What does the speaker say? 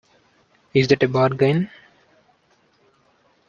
Is that a bargain?